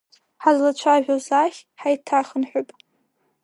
Ҳазлацәажәоз ахь ҳаиҭахынҳәып!